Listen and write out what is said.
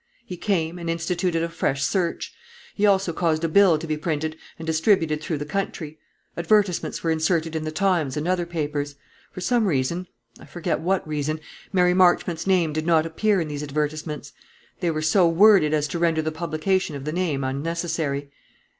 He came, and instituted a fresh search. He also caused a bill to be printed and distributed through the country. Advertisements were inserted in the 'Times' and other papers. For some reason I forget what reason Mary Marchmont's name did not appear in these advertisements. They were so worded as to render the publication of the name unnecessary."